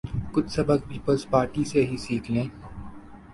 کچھ سبق پیپلزپارٹی سے ہی سیکھ لیں۔